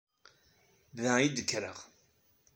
Da i d-kkreɣ.